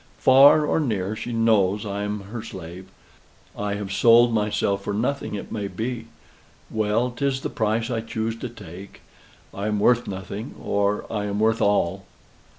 Far or near, she knows I'm her slave. I have sold myself for nothing, it may be. Well, 'tis the price I choose to take. I am worth nothing, or I am worth all."